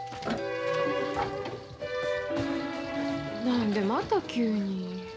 何でまた急に。